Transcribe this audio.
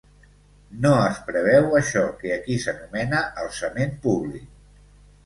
No es preveu això que aquí s’anomena ‘alçament públic’.